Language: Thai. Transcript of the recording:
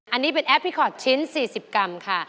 อันนี้เป็นแอปพลิคอร์ดชิ้น๔๐กรัมค่ะ